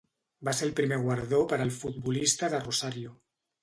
Va ser el primer guardó per al futbolista de Rosario.